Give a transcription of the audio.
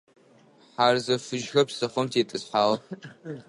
Хьарзэ фыжьхэр псыхъом тетӏысхьагъэх.